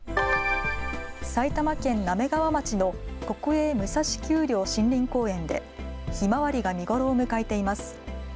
埼玉県滑川町の国営武蔵丘陵森林公園でひまわりが見頃を迎えています。